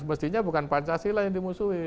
mestinya bukan pancasila yang dimusuhi